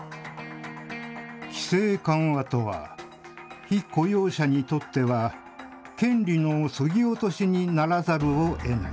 規制緩和とは、被雇用者にとっては、権利のそぎ落としにならざるをえない。